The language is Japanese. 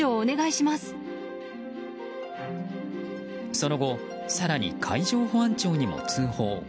その後更に海上保安庁にも通報。